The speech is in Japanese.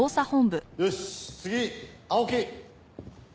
よし次青木。